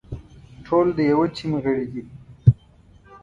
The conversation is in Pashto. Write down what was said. ټول د يوه ټيم غړي دي.